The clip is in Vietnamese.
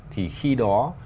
thì khi đó